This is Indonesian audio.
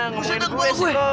nggak usah dateng balik gue